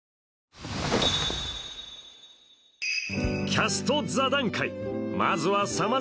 キャスト座談会